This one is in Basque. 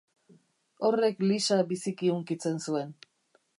Horrek Lisa biziki hunkitzen zuen.